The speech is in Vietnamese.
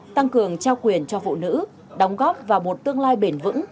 tăng cường trao quyền cho phụ nữ đóng góp vào một tương lai bền vững